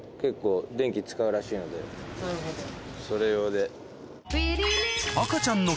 それ用で。